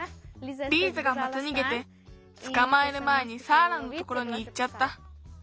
リーザがまたにげてつかまえるまえにサーラのところにいっちゃった。